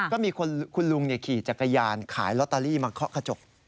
ก็มีคุณลุงขี่จักรยานขายลอตเตอรี่มาเคาะกระจก